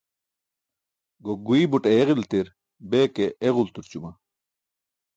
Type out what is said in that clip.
Gok guiy but ayeġiltir, bee ke eġulturćuma.